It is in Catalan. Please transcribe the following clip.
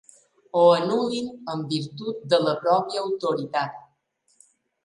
Ho anul·lin en virtut de la pròpia autoritat.